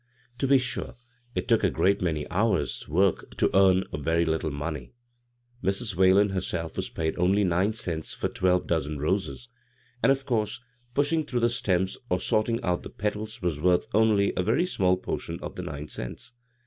To be sure it took a great many hours' work to earn a very little money. Mrs. Whalen herself was paid only nine cents for twelve dozen roses, and of course pushing through the stems or sorting out the petals was worth only a very small portion of the nine cents.